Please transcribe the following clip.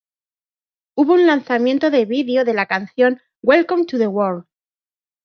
Hubo un lanzamiento de vídeo de la canción "Welcome to the World.